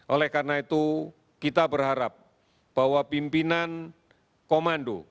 oleh karena itu kita berharap bahwa pimpinan komando